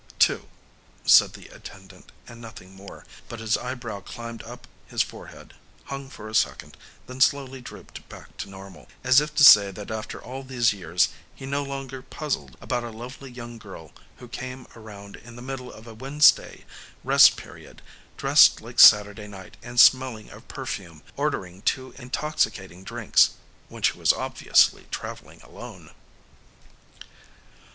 "Two," said the attendant, and nothing more, but his eyebrow climbed up his forehead, hung for a second, then slowly drooped back to normal, as if to say that after all these years he no longer puzzled about a lovely young girl who came around in the middle of a Wednesday rest period, dressed like Saturday night and smelling of perfume, ordering two intoxicating drinks when she was obviously traveling alone.